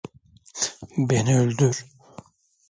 Beni öldür.